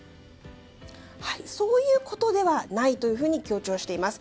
そういうことではないというふうに強調しています。